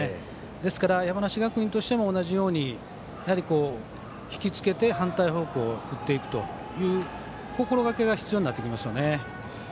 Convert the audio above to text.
ですから、山梨学院としても同じようにひきつけて反対方向に打っていくという心がけが必要になってきますね。